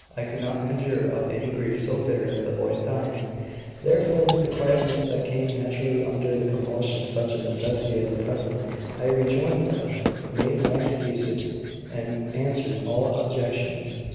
I could not conjure up any grief so bitter as the boy's dying. Therefore, with a quietness that came naturally under the compulsion of such a necessity as the present, I rejoined the rest, made my excuses, and answered all objections.